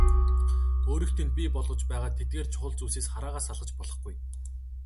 Өөрийг тань бий болгож байгаа тэдгээр чухал зүйлсээс хараагаа салгаж болохгүй.